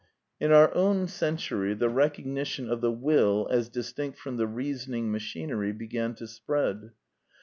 In our own century the recognition of the will as distinct from the reasoning machinery began to spread.